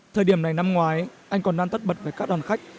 thời điểm này năm ngoái anh còn đang tất bật với các đoàn khách